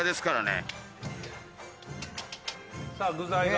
さあ具材が。